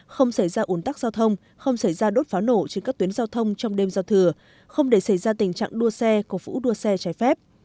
không xảy ra ủn tắc giao thông không xảy ra đốt pháo nổ trên các tuyến giao thông trong đêm giao thừa không để xảy ra tình trạng đua xe cổ vũ đua xe trái phép